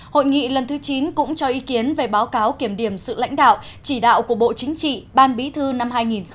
hội nghị lần thứ chín cũng cho ý kiến về báo cáo kiểm điểm sự lãnh đạo chỉ đạo của bộ chính trị ban bí thư năm hai nghìn một mươi chín